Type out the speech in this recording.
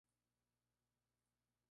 Es sabido que vuela en Sudáfrica.